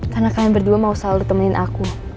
karena kalian berdua mau selalu temenin aku